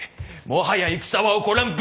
もはや戦は起こらん。